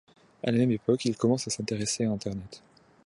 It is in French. À la même époque, il commence à s'intéresser à Internet.